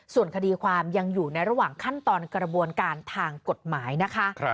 ส่วนคดีความยังอยู่ในระหว่างขั้นตอนกระบวนการทางกฎหมายนะคะ